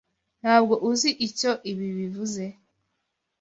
Ntabwo uzi icyo ibi bivuze?